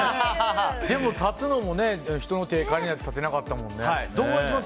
でも立つのも人の手を借りないと立てなかったもんね。